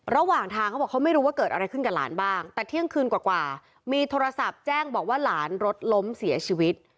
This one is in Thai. ระหว่างทางเขาบอกเขาไม่รู้ว่าเกิดอะไรขึ้นกับหลานบ้างแต่เที่ยงคืนกว่ามีโทรศัพท์แจ้งบอกว่าหลานรถล้มเสียชีวิต